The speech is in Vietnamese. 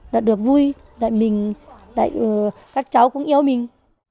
đã được vui tại mình các cháu cũng yêu mình